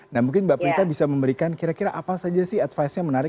nah mungkin mbak prita bisa memberikan kira kira apa saja sih advice nya menarik